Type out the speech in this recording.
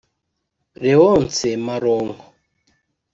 Léonce Malonko